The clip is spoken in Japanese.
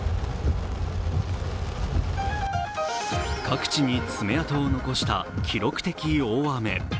各地に爪痕を残した記録的大雨。